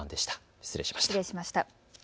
失礼しました。